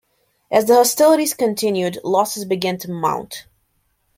As the hostilities continued, losses began to mount.